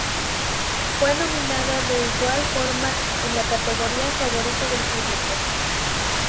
Fue nominada de igual forma en la categoría "Favorito del público".